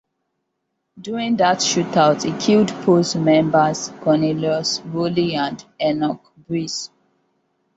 During that shootout he killed posse members Cornelious Rowley and Enoch Breece.